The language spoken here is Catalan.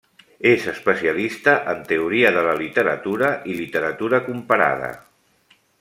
És especialista en teoria de la literatura i literatura comparada.